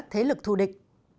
và thế lực thù địch